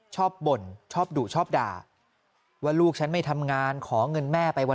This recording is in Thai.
บ่นชอบดุชอบด่าว่าลูกฉันไม่ทำงานขอเงินแม่ไปวัน